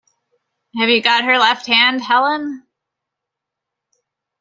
Have you got her left hand, Helene?